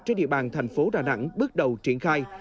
trên địa bàn thành phố đà nẵng bước đầu triển khai